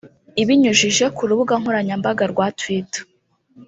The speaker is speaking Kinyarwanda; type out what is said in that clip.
Ibinyujije ku rubuga nkoranyambaga rwa Twitter